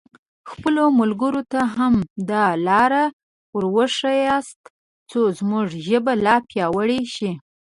خپلو ملګرو ته هم دا لارښوونې ور وښیاست څو زموږ ژبه لا پیاوړې شي.